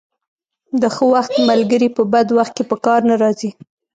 د ښه وخت ملګري په بد وخت کې په کار نه راځي.